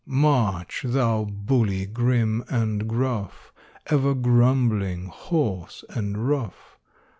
March, thou bully grim and gruff, Ever grumbling, hoarse, and rough!